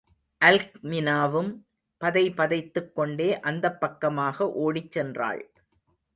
அல்க்மினாவும் பதைபதைத்துக்கொண்டே அந்தப் பக்கமாக ஓடிச் சென்றாள்.